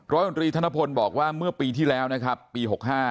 รัฐมนตรีธนพลบอกว่าเมื่อปีที่แล้วนะครับปี๖๕